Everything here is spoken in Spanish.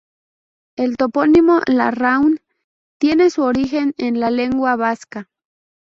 El topónimo Larráun tiene su origen en la lengua vasca.